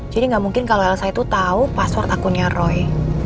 jadi nggak mungkin kalau elsa itu tahu password akunnya roy